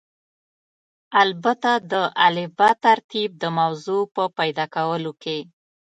البته د الفبا ترتیب د موضوع په پیدا کولو کې.